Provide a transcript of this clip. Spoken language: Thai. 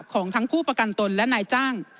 ของทั้งผู้ประกันตนและนายจ้าง